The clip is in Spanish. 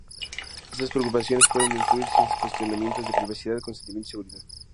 Estas preocupaciones pueden incluir ciertos cuestionamientos de privacidad, consentimiento, y seguridad.